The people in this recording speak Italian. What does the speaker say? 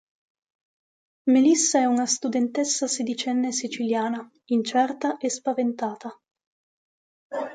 Melissa è una studentessa sedicenne siciliana, incerta e spaventata.